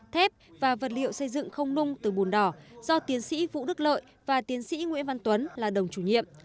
thép và vật liệu xây dựng không nung từ bùn đỏ do tiến sĩ vũ đức lợi và tiến sĩ nguyễn văn tuấn là đồng chủ nhiệm